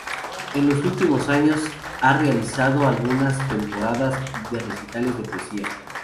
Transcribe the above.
En los últimos años ha realizado algunas temporadas de recitales de poesía.